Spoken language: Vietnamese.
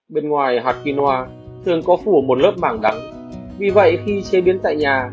bên ngoài hạt quinoa thường có phủ một lớp màng đặc vì vậy khi chế biến tại nhà